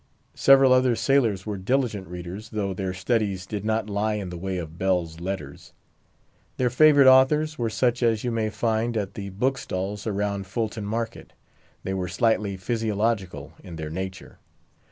Several other sailors were diligent readers, though their studies did not lie in the way of belles lettres. Their favourite authors were such as you may find at the book stalls around Fulton Market; they were slightly physiological in their nature.